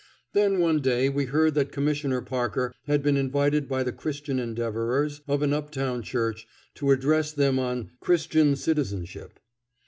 Then one day we heard that Commissioner Parker had been invited by the Christian Endeavorers of an up town church to address them on "Christian Citizenship."